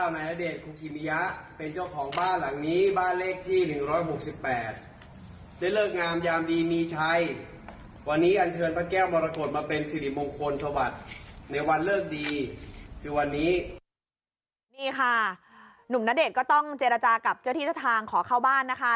นี่ค่ะหนุ่มณเดชน์ก็ต้องเจรจากับเจ้าที่เจ้าทางขอเข้าบ้านนะคะ